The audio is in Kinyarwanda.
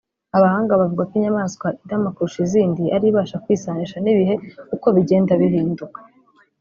Abahanga bavuga ko inyamaswa irama kurusha izindi ari ibasha kwisanisha n’ibihe uko bigenda bihinduka